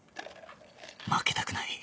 負けたくない